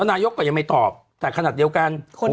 นายกก็ยังไม่ตอบแต่ขนาดเดียวกัน